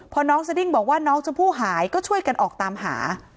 พอน้องสดิ้งบอกว่าน้องชมพู่หายก็ช่วยกันออกตามหา